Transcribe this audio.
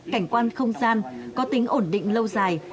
cảnh quan không gian có tính ổn định lâu dài